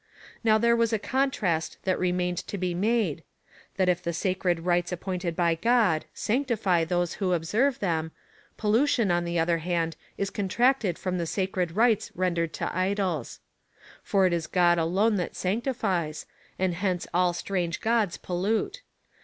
xS^ow there was a contrast that remained to be made — that if the sacred rites appointed by God sanctify those who observe them, pollution, on the other hand, is contracted from the sacred rites rendered to idols.^ For it is God alone that sanctifies, and hence all strange gods pollute.